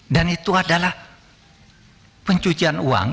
dan itu adalah pencucian uang